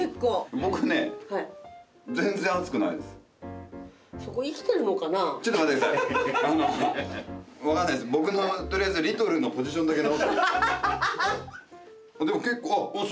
僕のとりあえずリトルのポジションだけ直していいですか？